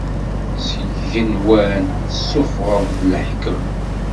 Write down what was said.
Seg yigenwan, tessufɣeḍ-d leḥkem.